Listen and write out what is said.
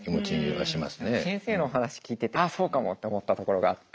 先生のお話聞いてて「あっそうかも」と思ったところがあって。